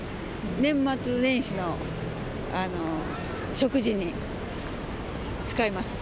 年末年始の食事に使います。